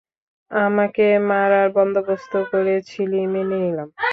আমাকে মারার বন্দোবস্ত করেছিলি মেনে নিলাম।